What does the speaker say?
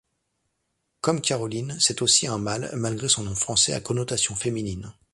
Comme Caroline, c'est aussi un mâle, malgré son nom français à connotation féminine.